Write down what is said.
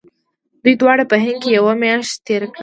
دوی دواړو په هند کې یوه میاشت تېره کړه.